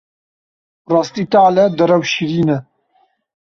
Rastî tal e, derew şîrîn e.